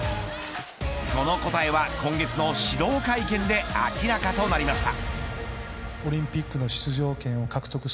その答えは、今月の始動会見で明らかとなりました。